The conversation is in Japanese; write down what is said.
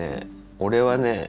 俺はね